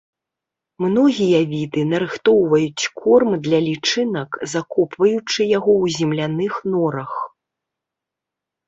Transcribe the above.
Многія віды нарыхтоўваюць корм для лічынак, закопваючы яго ў земляных норах.